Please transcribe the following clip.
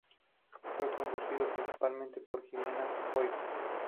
Fue conducido principalmente por Ximena Hoyos.